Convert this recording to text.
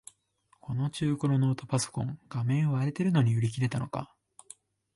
この中古のノートパソコン、画面割れてるのに売り切れたのか